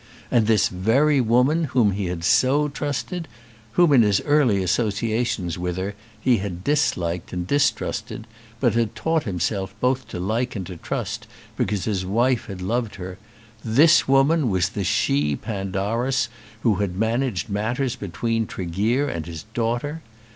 And this very woman whom he had so trusted, whom, in his early associations with her, he had disliked and distrusted, but had taught himself both to like and to trust because his wife had loved her, this woman was the she Pandarus who had managed matters between Tregear and his daughter!